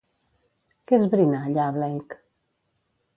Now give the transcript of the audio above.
Què esbrina allà Blake?